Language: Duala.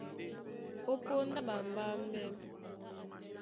Ó póndá ɓambámbɛ́,